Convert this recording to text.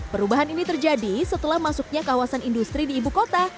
perubahan ini terjadi setelah masuknya kawasan industri di ibu kota